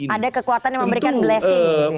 ada kekuatan yang memberikan blessing